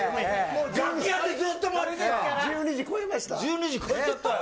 楽屋でずっと待ってたよ。